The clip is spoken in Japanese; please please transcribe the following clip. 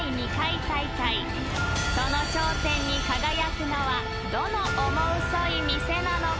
［その頂点に輝くのはどのオモウソい店なのか？］